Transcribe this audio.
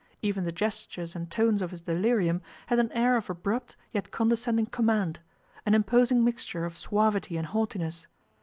Even the gestures and tones of his delirium had an air of abrupt yet condescending command an imposing mixture of suavity and haughtiness.